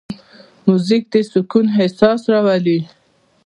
موزیک د سکون احساس راولي.